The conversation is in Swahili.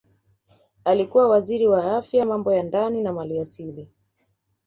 Alikuwa Waziri wa Afya Mambo ya Ndani na Maliasili